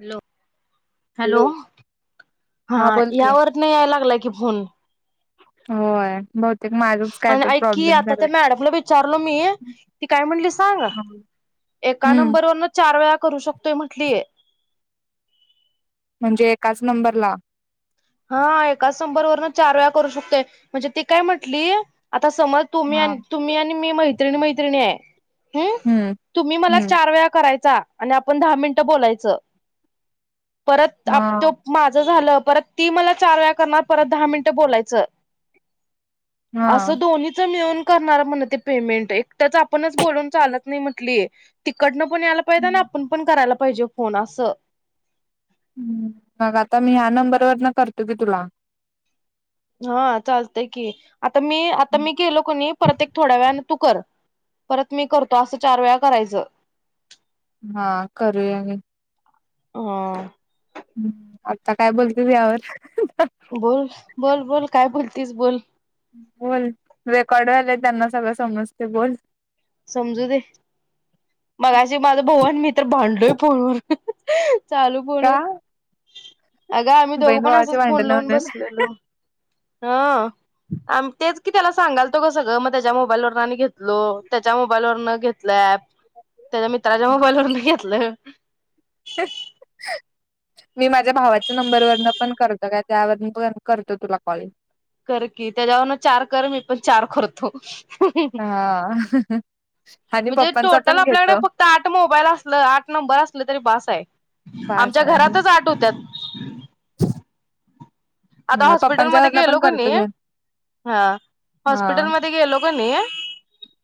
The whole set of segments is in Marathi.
हॅलो, हॅलो हा बोल की यावर नही याय लागला कि फोन. होय ब आण ऐक की आता त्या मॅडमला विचारल, मी ती काय म्हणली सांग. एका हम्म नंबर वरन चार वेळा करू शकतोय म्हंटलीय. म्हणजे एकाच नंबरला हा एकाच नंबर वरन चार वेळा करू शकतोय, म्हणजे ती काय म्हटली. आता समज तुम्ही, हा आणि तुम्ही आणि मी मै मैत्रिणी, मैत्रणी आहे. हं हम्म तुम्ही मला हम्म चार वेळा करायचा. आणि आपण दहा मिनट, बोलायचं. परत आप त्यो हा माझं झालं परत ती मला चार वेळा करणार, परत दहा मिनिटं बोलायचं. हा असं दोन्हीच मिळून [unintelligible] माला म्हण ते पेमेंट एकटच आपणच बोलून चालत नाही, म्हटलीय तिकडन पण याला पहिद नही, हम्म आपुण पण करायला पाहिजे फोन आस. हं मग आता मी ह्या नंबरवरन, करते की तुला. हा चालतय की आता मी, आता मी, केलो कणी परत एक थोड्या वेळानी तू कर परत मी करतो, असं चार वेळा करायचं. हा करूया नी. हा! हूं आता काय बोलते यावर. बोल बोल, बोल काय बोलतीस बोल. बोल रेकॉर्ड झाले, त्यांना सगळं समजते बोल. समजू दे, मगाशी माझ भाऊ अन मी तर भांडलोय फोनवर. चालू फोन का अ अग आम्ही बहीण दोघं पण भावाची असंच फोन भांडण लावून म्हणून बसलेलो. हो, आम तेच की त्याला सांगायलो त सगळं मग त्याच्या मोबाईल वरून आणि घेतलो त्याच्या मोबाईलवरन घेतलं ऍप. त्याच्या मित्राच्या मोबाईलवरून घेतलंय. मी माझ्या भावाच्या नंबरवरन पण करतो णा, त्यावर पण करतो तुला कॉलिंग - कर की, त्याला म्हणा चार कर मी पण चार करतो. हह हा आणि म्हणजे पप्पांचा टोटल पण आपल्याकडे घेतो फक्त आठ मोबाईल असलं आठ नंबर असलं - ते बास आहे. बास आमच्या आहे घरातच आठ होत्यात. आता हॉस्पिटल पप्पांच्या मध्ये वरन गेलो पण का नही करतो घे हा हा -हॉस्पिटल मध्ये गेलो की नही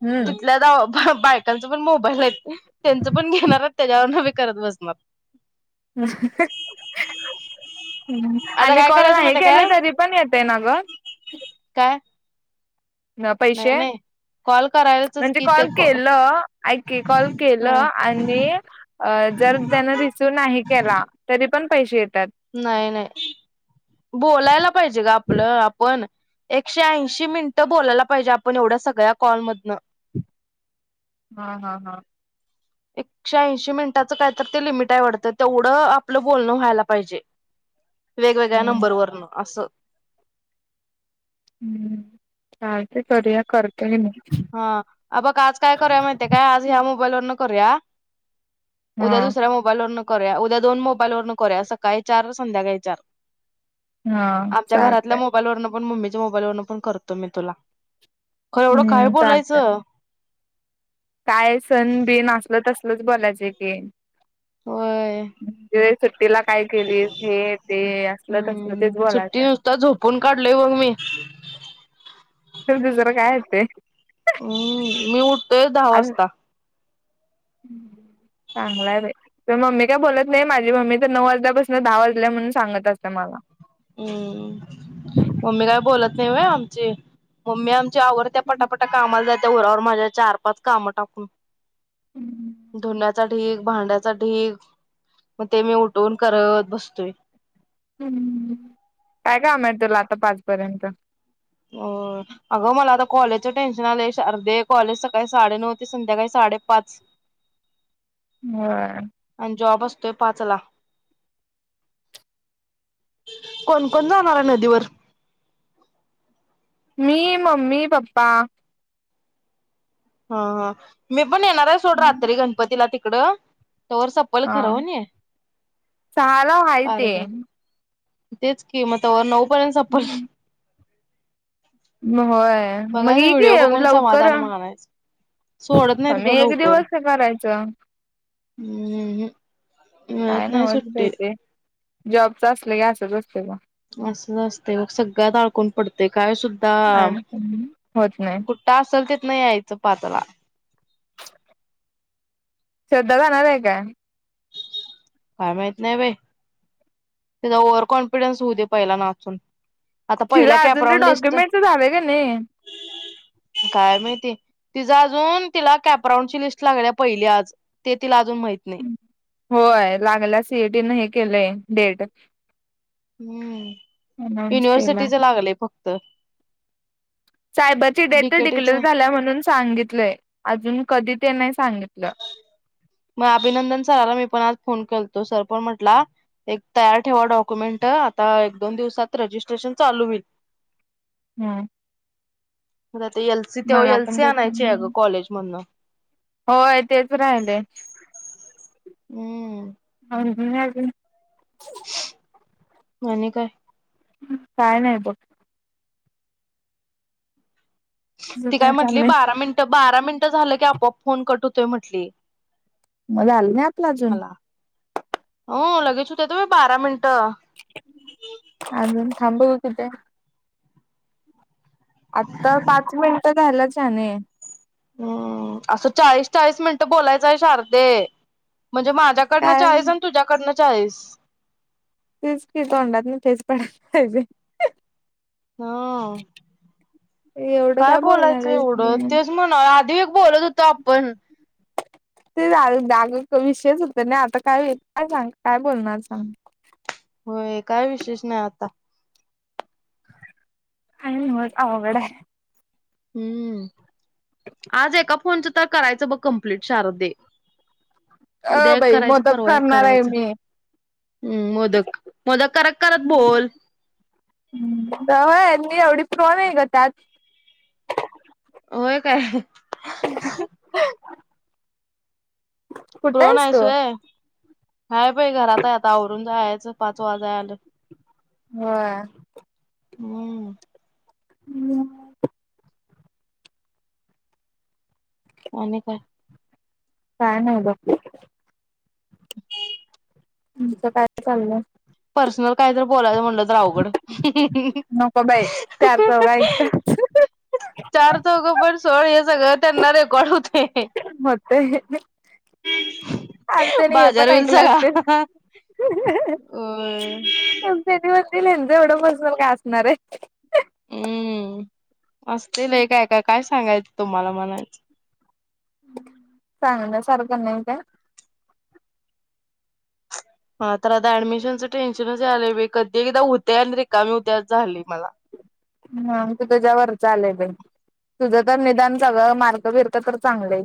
हम्म तिथल्या दवा हं - बायकांचा पण मोबाईल - त्याच पण [unintelligible] करत बस मग. हं, आता आले काय का - हो, करायचं माहिती आहे ऐकायला काय कमी पण येतंय ना ग? काय नाही पैसे? नाही कॉल करायचच म्हणजे कि कॉल ते केलं, ऐक की कॉल केल हा आणि जर त्यानं रिसीव नाही केलातरी - पण पैसे - नाही नाही, बोलायला पाहिजे गं आपलं -आपण. एकशे ऐंशी मिनिटं बोलायला पाहिजे आपण एवढ्या सगळ्या कॉल मधन. हा हा हा. एकशे ऐंशी मिनिटाचं काय तर ते लिमिट आहे वाटतं, तेवढं आपलं बोलणं व्हायला पाहिजे. वेगवेगळ्या हम्म नंबरवरन असं. हां - ठीक ए [unintelligible] कर. आं -आ बघ आज काय मोबाईल वरून करूया. करावं म्हणते का [unintelligible] हा उद्या दुसऱ्या मोबाईलवरन - करूया, उद्या दोन मोबाईल वरून करूया, सकाळी चार आनी संध्याकाळी चार. हा आमच्या घरातल्या चालतय मोबाईलवरन पण ममी [unintelligible] मोबाईल वरन पण करतो मी तुला. थोडं - काय हम्म चालतय बोलायचं? काय सण बिन असल त- मीच बोलायचंय ते - होय म्हणजे सुट्टीला काय केलीस, हे ते असलं, तसलं तेच हम्म बोलायचं सुट्टी हाय. नुसता झोपून काढलोय बघ मी तुला दुसरं काय येतंय? अं मी उठतोय, दहा वाजता. चांगलं हाय बाई. तुझी मम्मी काय बोलत नाही, माझी मम्मी तर नऊ वाजल्यापासनं दहा वाजल्या म्हणून सांगत असत्या मला. अं मम्मी काय बोलत नाय होय आमची? मम्मी आम आवरत्या पटापटा कामाला जा त्या, उरावर माझ्या चार पाच कामं टाकून. धुण्याचा ढीग, भांड्याचा ढीग, मग ते मी उठवून करत बसतोय. हाम्म. काम हाय तुला आता पाचपर्यंत. हो अगं मला आता कॉलेजच टेन्शन आलंय शारदे, कॉलेज सकाळी साडेनऊ ते संध्याकाळी साडेपाच. होय. तोय पाचला, कोण कोण जाऊन आला नदीवर? मी, मम्मी, पप्पा. हा हा मी पण येणार आहे सोड, रात्री गणपतीला ति कडं. हा चहाला हाय ते. कार्यक्रम तेच की म तवर नऊ पर्यंत सपल. म होय. मग बघायच ये की व्हिडिओ बघून लवकर समाधान मानायचं. सोडत नाहीत ग मी एक लवकर. दिवस करायचं हम्म मिळत नाही सुट्टी. जॉबचं असलं की असंच असतंय बघ. असंच असतंय बघ, सगळ्यात अडकून पडतंय. कायसुद्धा ऍडमिशन होत नाही कुट्ट असल ते नं यायचं पातला. श्रद्धा जाणार आहे काय? काय माहित नाही बाई, तिचा ओव्हर कॉन्फिडन्स होऊदे पहिला नाचून. आता तिझं पहिल्या अजून ते कॅपराऊंड लिस्टचं? डॉक्युमेंटच झालंय का नाही काय माहिती. तीज अजून तिला कॅपराऊंडची लिस्ट लागल्या पहिली आज, ते तिला अजून माहित नाही. होय लागल्या, सी ई टीनं हे केलंय डेट. हम्म अनाऊन्स केला युनिव्हर्सिटीचं लागलंय फक् त. सायबरची डेट तर डिक्लेअर झाल्या म्हणून सांगितलंय, अजून कधी ते नाही सांगितलं मग अभिनंदन सराला मी पण आज फोन केलं तो सर पण म्हटला एक तयार ठेवा डॉक्युमेंट, आता एक दोन दिवसात रजिस्ट्रेशन चालू होईल. हम्म. मला ते एल सी तेवढी मला एल पण सी आणायची आहे. अगं भेटलं. कॉलेजमधन. होय तेच राहिलेय. हम्म. [unintelligible] आणि काय. काय नाही बघं. तुझं ती काय म्हटली चाललंय बारा मिनिटं, बारा मिनटं झालं की आपोआप फोन कट होतोय म्हटली मला आलं ना आपला अजून. मला [unintelligible] बारा मिनिटं. कथ [unintelligible] आत्ता पाच मिनिटं झालाच शाने. असं चाळीस, चाळीस मिनिटं बोलायचं आहे शारदे. म्हणजे माझ्याकडनं काय चाळीय आणि तुझ्याकडं चाळीस! चाळीस. तेच क तोंडात नाही तेच पड्या लय. हा एवढं काय बोलणार बोलायचं एवढं आहे तेच म्हणा आधी एक बोलत होतो आपण ते जा जाग विषयच होत नाही आता काय का सांग काय बोलणार सांग? होय काय विशेष नाही आता अवघड हाय हम्म आज एका फोनचं तर करायचं बघ कमप्लीट शारद दे. अ बाई मोदक करणार आहे, हम्म मोदक मोदक करत करत बोल. जावई मी यांनी एवढं. कोण आहे गं त्यात. व्हय काय,. [unintelligible] कुठं प्रोन आहेस तू आहेसोय हाय पई हाय बाई घरात आहे‌. आता आवरून जायाच चल पाच वाजाय आलं. होय. [unintelligible] हम्म. अणि काय? काय नाही बघं. तुमचं काय चाललंय. पर्सनल काय तर बोलायचं म्हणलं तवघडंच नको बाई चार चौघ ऐकतात चार चौघ पण. [inaudible] मत आज तनी हे बाजार पण होईल ऐकलं सगळा. असतील. होय. वर [unintelligible] तीन इंच एवढा पर्सनल काय असणार आहे. ह असतीलल ए काय काय सांगायचं. तो मला म्हणायचं चांगलं सारखं नाही का हा तर आता ऍडमिशनचं टेन्शनच आलं कधी एकदा उद्या आणि रिकामीी उद्याच झाली मला हम तू त्याच्यावर चा आले तुझं तर निदान सगळं मार्क्स तर चांगलं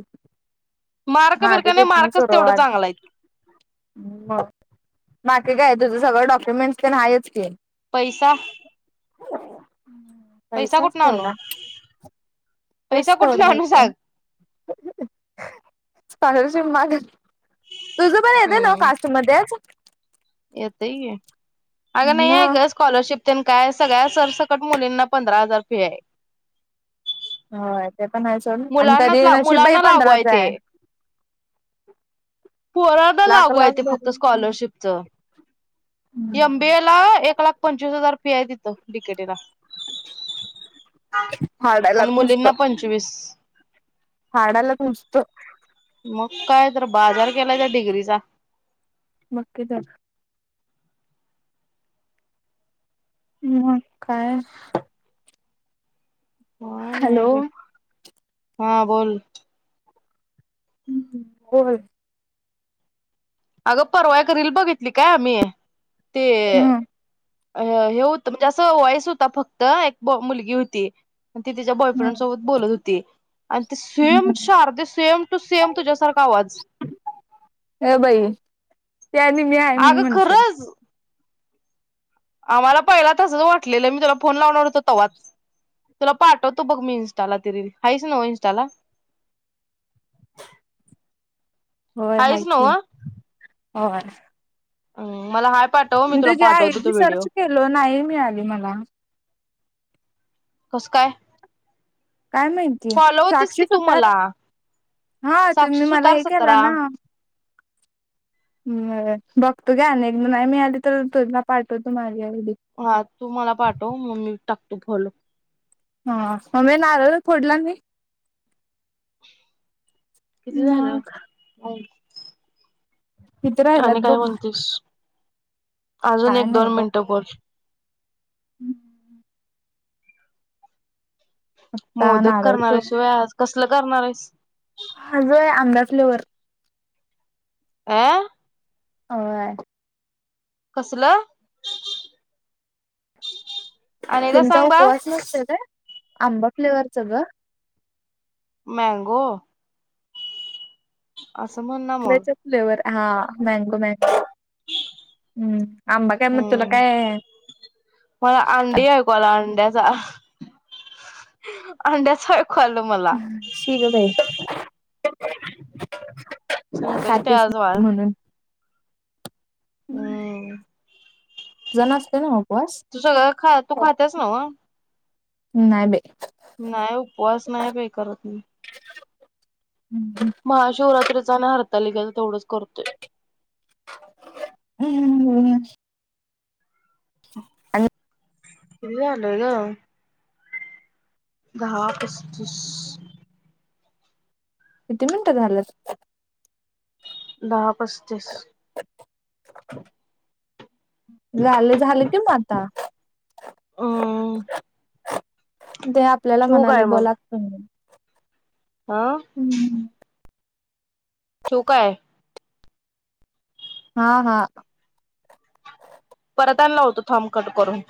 मारक बिरक माझं नाही तिथन मारकच तेवढं सुरुवात चांगलं आहे मग बाकी की काय तुझं सगं डॉक्युमेंटस प नाही आहेच की पैसा हो पैसा कुठनं असतो आणू एवढा पैसा कुठनं आणू रसवढायचं सांग स्लर जि माग तुझं पण येतं ना कास्टू मध्येच ये तय आहे अगनाही आहे मग का स्कॉलरशिप काय सगळ्या सरसकट मुलींना पंधरा हजार फि आहे होय ते पण आहे सोड आणि तरी मुलांना नशीब बाई मुलांना लागू आहे पंधराच ते पोरला लाख लागू आहे ते लाख फक्त भरून स्कॉलरशिपच एमबे ला एक लाख पंचवीस द हजार फी आहे तिथे बिकेटीला आणि हाडालाच नुसत मुलींना पंचवीस हाडालाच नुसत मग काय तर बाजार केलाय त्या डिग्रीचा बकी तर म काय हो नाही हॅलो क हा बोल हम् ह् बोल अगं परवाय करील बघितली काय आम्ही ते हम्म अ हे होतं म्हणजे असं वॉयस होता फक्त एक मुलगी होती ती तिच्या बॉयफ्रेंड सोबत बोलत होती आणि ते सेम हम्म शारदे सेम टू सेम तुझ्यासारख आवाज हे बाई ते आणि मी आहे म्हणून अगं म्हणशील खरच आम्हाला पहिला तसच वाटलेलं मी तुला फोन लावणार होतो तवा्हाच तुला पाठवतो बघ मी इं्स्टाला तरी हाच न इंस्टाला होय हायच आहेताती नव्ह होय ह अ तुझ्या ए आयडी सर्च केल नाही मिळाली मला कस काय काय माहितीय फॉलो होतीस साक्षी की तू मला [inaudible] हा साक्षी तुम्ही मला सुतार हे केला सतरा ना बघतो [inaudible] हा तू मला पाठव मग मी टाक [inaudible] हा मी नारळ फोडला नाही किती झालं मग [inaudible] तिथं आणि राहिलात काय बघ म्हणतेस अजून काय एक नाही दोन बघ मिनटं बोल [inaudible] मोदक नारळ करणाऱ्याशिवाय आज कसलं करणारयस हा जोय आंबा फ्लेवर आ [unintelligible] कसलं [inaudible] एकदा तुमचा सांग बाळ उपवास नसतय आंबा फ्लेवरच ग मँगो असं म्हण ना मग आंब्याचा फ्लेवर हा मॅंगो [inaudible] [inaudible] हम्म मग तुला हम्म काय मला अंडी ऐकू आल अंड्या जा [inaudible] अंड्याच आलं मला छी ग बाई [unintelligible] संकष्टय खातेच आज नाही [unintelligible] म्हणून अं [unintelligible] असते ना तू सगळं खा तू खातेस नव्ह नाही बाई नाही उपवास नाही बाई करत मी महाशिवरात्रीत चा अन हरतालीकेचा तेवढंच करतोय. [unintelligible] आणि किती झाल ग? दहा पस्तीस किती मिनटं झालत? दहा पस्तीस. झाले झाले कि म आता. हम्म ते आपल्याला ठेवू म्हणाले काय मग बोला तिकंदन हा हम्म. ठेऊ काय? हा हा. ट लावतो थांब कट करून.